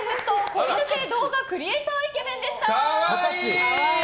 子犬系動画クリエーターイケメンでした。